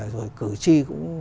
rồi cử tri